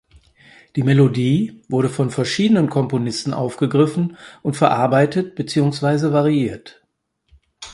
Die Melodie wurde von verschiedenen Komponisten aufgegriffen und verarbeitet beziehungsweise variiert.